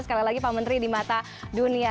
sekali lagi pak menteri di mata dunia